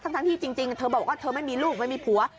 ทั้งที่จริงเธอบอกว่าเธอไม่มีลูกไม่มีผัว